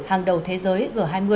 hàng đầu thế giới g hai mươi